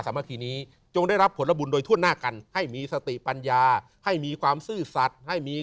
สามัคคีนี้จงได้รับผลบุญโดยทั่วหน้ากันให้มีสติปัญญาให้มีความซื่อสัตว์ให้มี